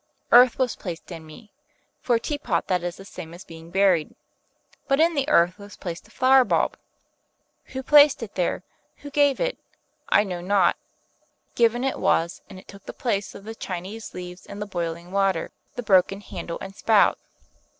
Earth was placed in me: for a Teapot that is the same as being buried, but in the earth was placed a flower bulb. Who placed it there, who gave it, I know not; given it was, and it took the place of the Chinese leaves and the boiling water, the broken handle and spout.